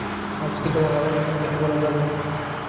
আজ কি তোমার বাবার সঙ্গে দেখা করা যাবে?